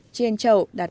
trên chậu đặt một con dao